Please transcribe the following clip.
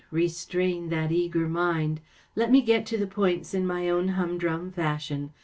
Restrain that eager mind ! Let me get to the points in my own humdrum fashion.